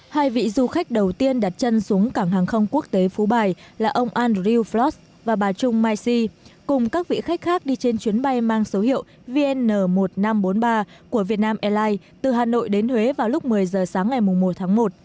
hai vị du khách đầu tiên đặt chân xuống cảng hàng không quốc tế phú bài là ông andrew flos và bà trung mysi cùng các vị khách khác đi trên chuyến bay mang số hiệu vn một nghìn năm trăm bốn mươi ba của việt nam airlines từ hà nội đến huế vào lúc một mươi giờ sáng ngày một tháng một